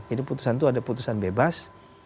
jadi putusan itu ada putusan bebas